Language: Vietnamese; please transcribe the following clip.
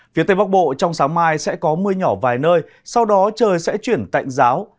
phía tây bắc bộ trong sáng mai sẽ có mưa nhỏ vài nơi sau đó trời sẽ chuyển tạnh giáo